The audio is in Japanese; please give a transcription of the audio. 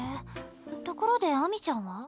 ところで秋水ちゃんは？